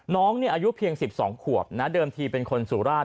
น้องอายุเพียง๑๒ขวบนะเดิมทีเป็นคนสุราช